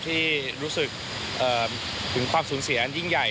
ที่รู้สึกถึงความสูญเสียอันยิ่งใหญ่